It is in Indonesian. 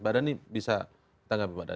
badan ini bisa tanggap badan